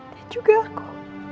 dan juga aku